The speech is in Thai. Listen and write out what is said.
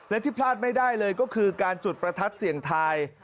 และที่พลาดไม่ได้เลยก็คือการจุดประทัดเสี่ยงทาย